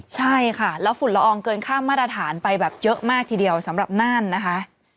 ใช่ค่ะแล้วฝุ่นละอองเกินข้ามมาตรฐานไปแบบเยอะมากทีเดียวสำหรับน่านนะคะ